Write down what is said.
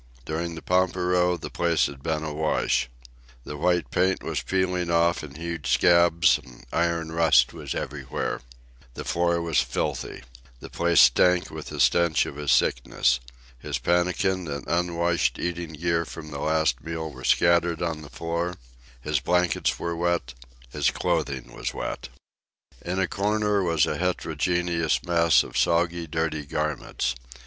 During the pampero the place had been awash. The white paint was peeling off in huge scabs, and iron rust was everywhere. The floor was filthy. The place stank with the stench of his sickness. His pannikin and unwashed eating gear from the last meal were scattered on the floor: His blankets were wet, his clothing was wet. In a corner was a heterogeneous mass of soggy, dirty garments.